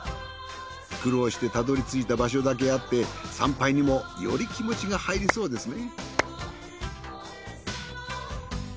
苦労してたどり着いた場所だけあって参拝にもより気持ちが入りそうですね。